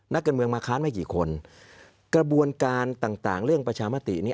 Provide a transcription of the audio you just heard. นักการเมืองมาค้านไม่กี่คนกระบวนการต่างต่างเรื่องประชามตินี้